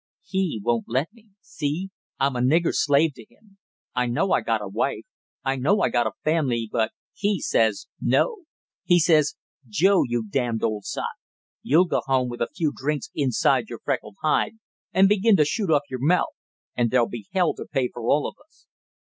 "He won't let me see I'm a nigger slave to him! I know I got a wife I know I got a family, but he says no! He says 'Joe, you damned old sot, you'll go home with a few drinks inside your freckled hide and begin to shoot off your mouth, and there'll be hell to pay for all of us!'"